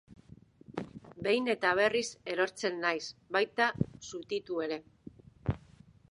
Behin eta berriz erortzen naiz, baita zutitu ere.